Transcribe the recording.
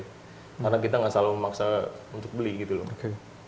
karena kita nggak selalu memaksa untuk beli gitu loh